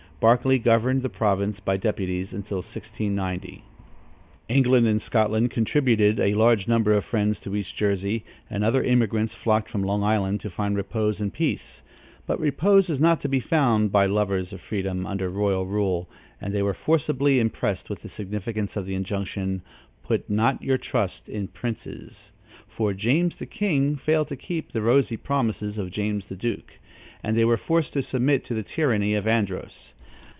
Barclay governed the province by deputies until 1690. England and Scotland contributed a large number of Friends to East Jersey, and other immigrants flocked from Long Island, to find repose and peace; but repose is not to be found by lovers of freedom, under royal rule, and they were forcibly impressed with the significance of the injunction, "Put not your trust in princes," for James the king failed to keep the rosy promises of James the duke, and they were forced to submit to the tyranny of Andros.